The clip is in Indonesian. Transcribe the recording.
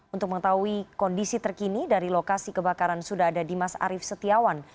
untuk mengetahui kondisi terkini dari lokasi kebakaran sudah ada dimas arief setiawan